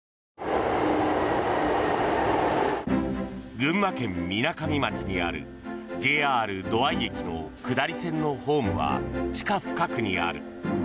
群馬県みなかみ町にあるＪＲ土合駅の下り線のホームは地下深くにある。